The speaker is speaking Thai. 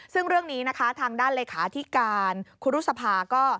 ซึ่งเรื่องนี้นะคะทางด้านเลขาธิการครูรุษภาก็